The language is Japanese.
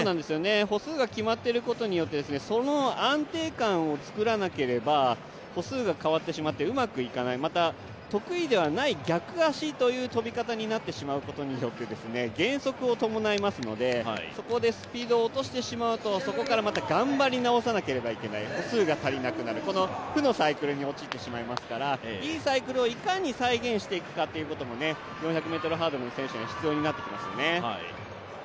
歩数が決まっていることによって、その安定感を作らなければ、歩数が変わってしまってうまくいかない、また、得意ではない逆足という跳び方になってしまうことによって減速を伴いますので、そこでスピードを落としてしまうとそこからまた頑張り直さなければいけない、歩数が足りなくなる、負のサイクルに陥ってしまいますからいいサイクルをいかに再現していくかということも４００ｍハードルの選手には必要になってきますよね。